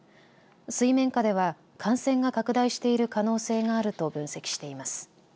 水面下では感染が拡大している可能性があると分析しています。